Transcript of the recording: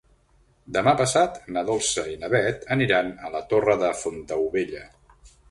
Demà passat na Dolça i na Beth aniran a la Torre de Fontaubella.